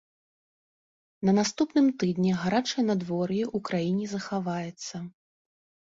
На наступным тыдні гарачае надвор'е ў краіне захаваецца.